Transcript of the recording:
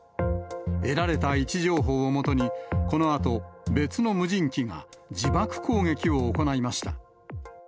得られた位置情報を基に、このあと、別の無人機が自爆攻撃を行いました。